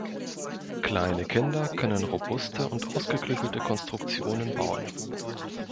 Kleine Kinder können robuste und ausgeklügelte Konstruktionen bauen.